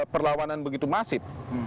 perlawanan begitu masif